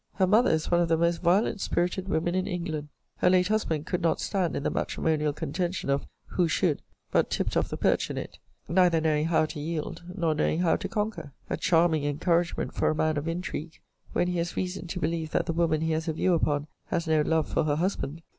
Her mother is one of the most violent spirited women in England. Her late husband could not stand in the matrimonial contention of Who should? but tipt off the perch in it, neither knowing how to yield, nor knowing how to conquer. A charming encouragement for a man of intrigue, when he has reason to believe that the woman he has a view upon has no love for her husband!